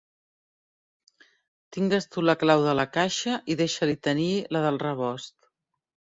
Tingues tu la clau de la caixa i deixa-li tenir la del rebost.